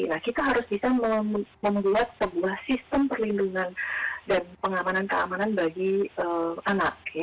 nah kita harus bisa membuat sebuah sistem perlindungan dan pengamanan keamanan bagi anak